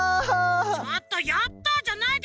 ちょっと「やった！」じゃないでしょ。